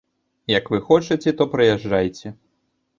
Як вы хочаце, то прыязджайце.